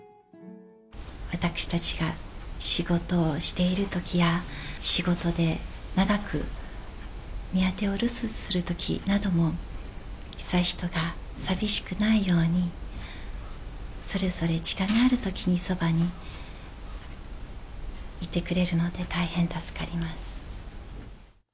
私たちが仕事をしているときや、仕事で長く宮邸を留守にするときなども、悠仁が寂しくないように、それぞれ時間があるときにそばにいてくれるので、大変助かります。